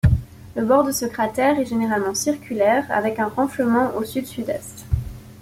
Le bord de ce cratère est généralement circulaire, avec un renflement au sud-sud-est.